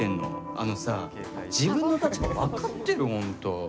あのさ、自分の立場分かってる？